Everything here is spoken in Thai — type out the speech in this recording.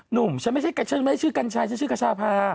หนุ่มฉันไม่ใช่ชื่อกัญชัยฉันชื่อกระชาพา